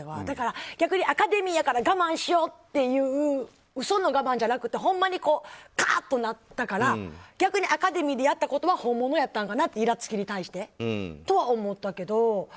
だから、逆にアカデミーやから我慢しようっていう嘘の我慢じゃなくてほんまに、カーってなったから逆にアカデミーでやったことは本物やったんかないらつきに対して。とは思ったけど。